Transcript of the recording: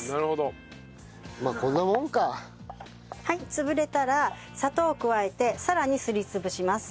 潰れたら砂糖を加えてさらにすり潰します。